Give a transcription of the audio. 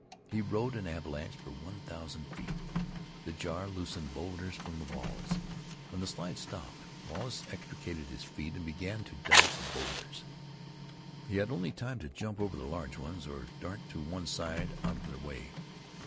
He rode an avalanche for one thousand feet. The jar loosened bowlders from the walls. When the slide stopped, Wallace extricated his feet and began to dodge the bowlders. He had only time to jump over the large ones or dart to one side out of their way.